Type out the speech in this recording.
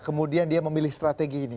kemudian dia memilih strategi ini